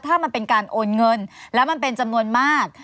ถ้ามันเป็นการโอนเงินแล้วมันเป็นจำนวนมาก